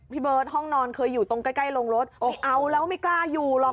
พี่เบิร์ตห้องนอนเคยอยู่ตรงใกล้โรงรถไม่เอาแล้วไม่กล้าอยู่หรอก